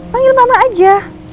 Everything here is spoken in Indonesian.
manggil mama aja